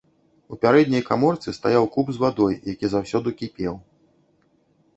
У пярэдняй каморцы стаяў куб з вадой, які заўсёды кіпеў.